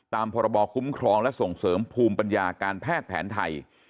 พรบคุ้มครองและส่งเสริมภูมิปัญญาการแพทย์แผนไทย